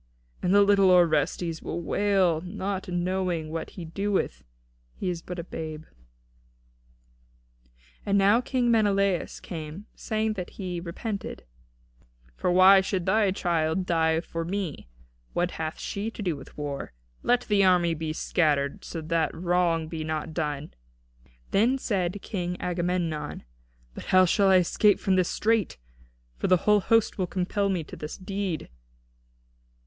And the little Orestes will wail, not knowing what he doeth, seeing he is but a babe." And now King Menelaus came, saying that he repented, "For why should thy child die for me? What hath she to do with war? Let the army be scattered, so that wrong be not done." Then said King Agamemnon: "But how shall I escape from this strait? For the whole host will compel me to this deed?"